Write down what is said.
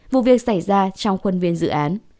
vụ việc xảy ra trong khuân viên dự án